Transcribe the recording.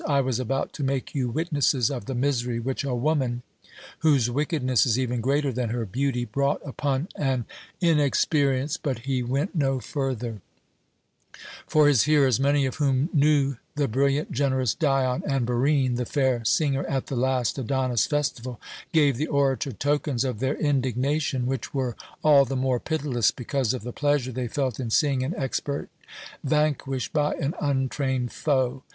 I was about to make you witnesses of the misery which a woman, whose wickedness is even greater than her beauty, brought upon an inexperienced " But he went no further; for his hearers many of whom knew the brilliant, generous Dion, and Barine, the fair singer at the last Adonis festival gave the orator tokens of their indignation, which were all the more pitiless because of the pleasure they felt in seeing an expert vanquished by an untrained foe.